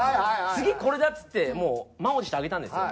次これだっつってもう満を持して上げたんですよ。